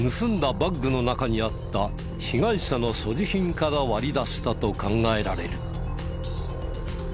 バッグの中にあった被害者の所持品から割り出したと考えられる。